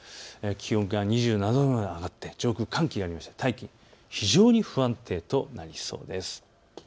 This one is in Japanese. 気温が２７度まで上がって上空、寒気があって大気の状態が非常に不安定となりそうです。